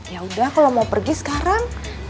yaudah kalau mau pergi sekarang